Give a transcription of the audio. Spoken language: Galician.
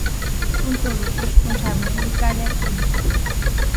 Con todo, o responsábel sindical é optimista.